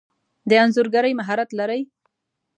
د انځورګری مهارت لرئ؟